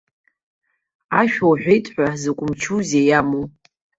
Ашәа уҳәеит ҳәа, закә мчузеи иамоу!